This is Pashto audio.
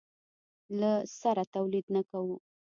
له سره تولید نه کوو.